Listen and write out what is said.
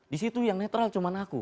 disitu yang netral cuman aku